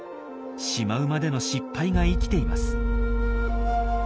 シマウマでの失敗が生きています。